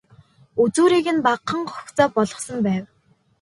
Үзүүрийг нь багахан гогцоо болгосон байв.